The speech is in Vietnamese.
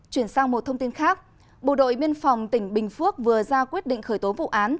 chuyển sang một thông tin khác bộ đội biên phòng tỉnh bình phước vừa ra quyết định khởi tố vụ án